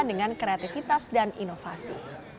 dengan kreativitas dan inovasi